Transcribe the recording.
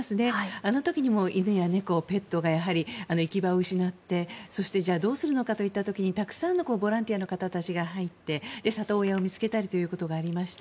あの時にも犬や猫、ペットが行き場を失ってそしてどうするのかといった時にたくさんのボランティアの方たちが入って里親を見つけたりということがありました。